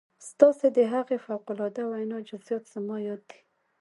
ستاسې د هغې فوق العاده وينا جزئيات زما ياد دي.